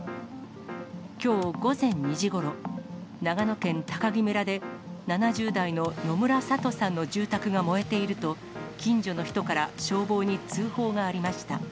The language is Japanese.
きょう午前２時ごろ、長野県喬木村で、７０代の野村さとさんの住宅が燃えていると、近所の人から消防に通報がありました。